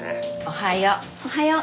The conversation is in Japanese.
おはよう。